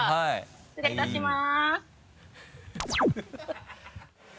失礼いたします。